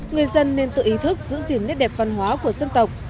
người dân nên tự ý thức giữ gìn nét đẹp văn hóa của dân tộc